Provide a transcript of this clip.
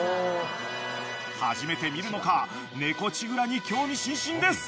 初めて見るのか猫ちぐらに興味津々です。